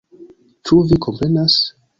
Ĉu vi komprenas??